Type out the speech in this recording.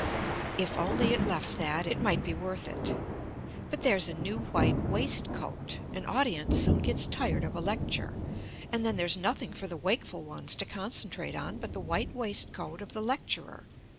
"If only it left that, it might be worth it. But there's a new white waistcoat. An audience soon gets tired of a lecture, and then there's nothing for the wakeful ones to concentrate on but the white waistcoat of the lecturer.